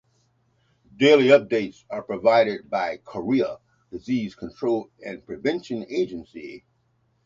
Daily updates are provided by Korea Disease Control and Prevention Agency.